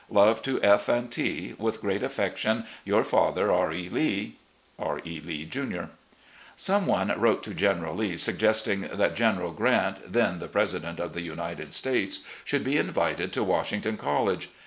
Love to F and T . With great affection, " Your father, "R. E. Lee. "R. E. Lee, Jr." Some one wrote to General Lee suggesting that General Grant, then the president of the United States, should be invited to Washington College.